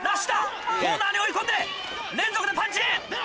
コーナーに追い込んで連続でパンチ！